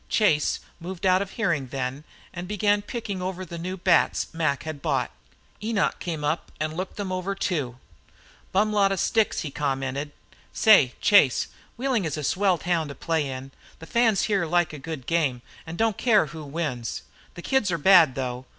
Chase moved out of hearing then and began picking over the new bats Mac had bought. Enoch came up and looked them over, too. "Bum lot of sticks," he commented. "Say, Chase, Wheeling is a swell town to play in. The fans here like a good game an' don't care who wins. The kids are bad, though.